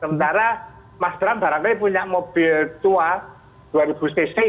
sementara mas ram barangkali punya mobil tua dua cc gitu ya